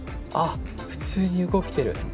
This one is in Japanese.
普通に動いてる。